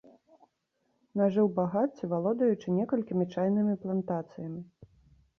Нажыў багацце, валодаючы некалькімі чайнымі плантацыямі.